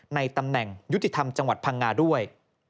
ในตำแหน่งยุติธรรมจังหวัดพังงาด้วย